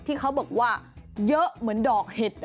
ที่เขาบอกว่าเยอะเหมือนดอกเห็ด